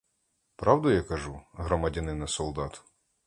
Правду я кажу, громадянине солдат?